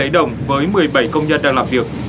bảy đồng với một mươi bảy công nhân đang làm việc